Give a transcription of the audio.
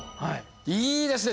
いいですね。